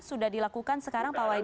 sudah dilakukan sekarang pak wadid